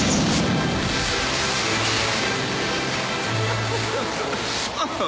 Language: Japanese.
ハハハハ。